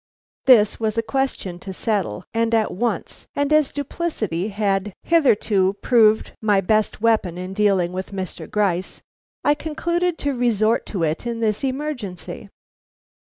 This was a question to settle, and at once; and as duplicity had hitherto proved my best weapon in dealing with Mr. Gryce, I concluded to resort to it in this emergency.